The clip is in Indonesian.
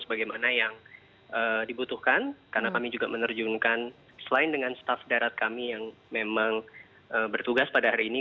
sebagaimana yang dibutuhkan karena kami juga menerjunkan selain dengan staff darat kami yang memang bertugas pada hari ini